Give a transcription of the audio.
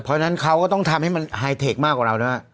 เพราะฉะนั้นเขาก็ต้องทำให้มันไฮเทคมากกว่าเราด้วย